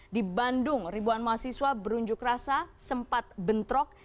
di bandung ribuan mahasiswa berunjuk rasa sempat bentrok